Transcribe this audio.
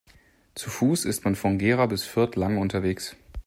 Zu Fuß ist man von Gera bis Fürth lange unterwegs